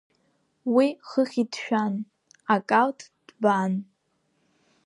Уи хыхь иҭшәан, акалҭ ҭбаан.